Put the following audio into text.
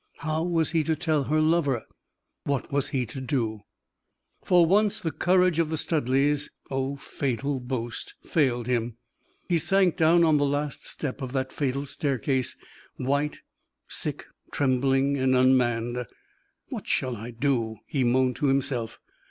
How was he to tell her lover? What was he to do? For once the courage of the Studleighs oh, fatal boast! failed him. He sank down on the last step of that fatal staircase, white, sick, trembling, and unmanned. "What shall I do?" he moaned to himself.